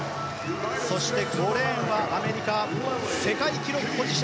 ５レーンはアメリカ世界記録保持者